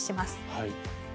はい。